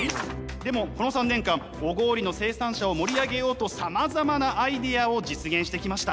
でもこの３年間小郡の生産者を盛り上げようとさまざまなアイデアを実現してきました。